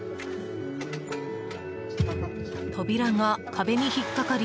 扉が壁に引っかかり